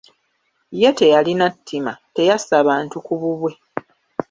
Ye teyalina ttima, teyassa bantu ku bubwe.